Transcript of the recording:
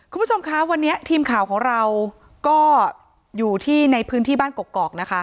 คุณผู้ชมคะวันนี้ทีมข่าวของเราก็อยู่ที่ในพื้นที่บ้านกกอกนะคะ